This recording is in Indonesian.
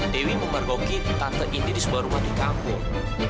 dewi memergoki tante ini di sebuah rumah di kampung